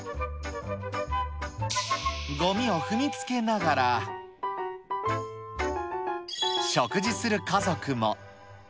ごみを踏みつけながら、食事する家族も。